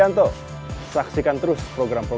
untuk mendapatkan informasi terbaru